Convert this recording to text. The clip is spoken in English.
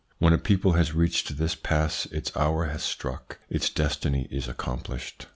When a people has reached this pass its hour has struck, its destiny is accomplished.